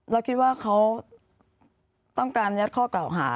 เราคิดว่าเขาต้องการยัดข้อเก่าหา